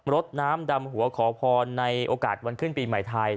รถน้ำดำหัวขอพรในโอกาสวันขึ้นปีใหม่ไทย